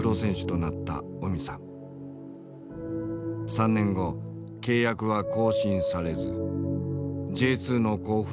３年後契約は更新されずＪ２の甲府へ移籍した。